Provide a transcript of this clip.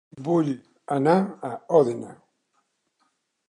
Vull anar a Òdena